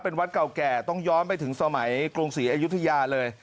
เป็นวัดเก่าแก่ต้องย้อนไปถึงสมัยกรุงศรีอยุธยาเลย